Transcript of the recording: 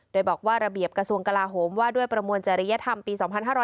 โดยบอกว่าระเบียบกระทรวงกลาโหมว่าด้วยประมวลจริยธรรมปี๒๕๕๙